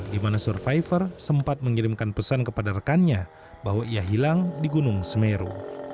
di mana survivor sempat mengirimkan pesan kepada rekannya bahwa ia hilang di gunung semeru